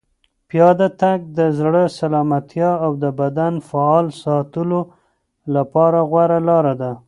پیاده تګ د زړه سلامتیا او د بدن فعال ساتلو لپاره غوره لاره ده.